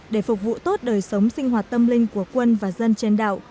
để phục vụ tốt đời sống sinh hoạt tâm linh của quân và dân trên đảo